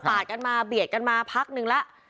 แซ็คเอ้ยเป็นยังไงไม่รอดแน่